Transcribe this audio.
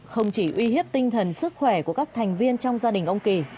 không chỉ uy hiếp tinh thần sức khỏe của các thành viên trong gia đình ông kỳ